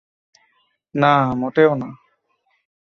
না, মোটেও না।